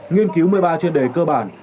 nghiên cứu một mươi ba chuyên đề cơ bản